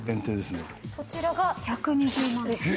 こちらが１２０万円。